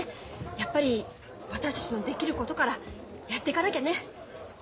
やっぱり私たちのできることからやっていかなきゃね。